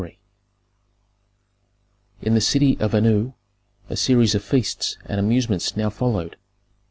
CHAPTER XXIII In the city of Anu a series of feasts and amusements now followed.